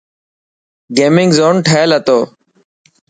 گيمنگ زون ٺهيل هتو.